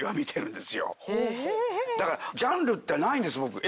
だからジャンルってないんです僕。